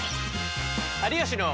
「有吉の」。